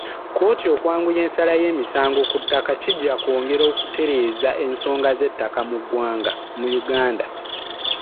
Kkooti okwanguya ensala y’emisango ku ttaka kijja kwongera okutereeza ensonga z’ettaka mu Uganda.